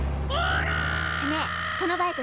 ねえそのバイク君の？